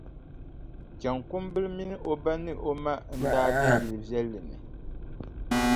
Jaŋkumbila mini o ba ni o ma n-daa be yili viɛlli ni.